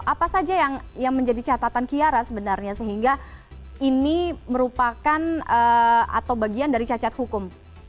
apa saja yang menjadi catatan kiara sebenarnya sehingga ini merupakan atau bagian dari cacat hukum